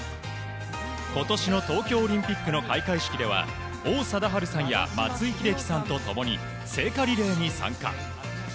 今年の東京オリンピックの開会式では王貞治さんや松井秀喜さんと共に聖火リレーに参加。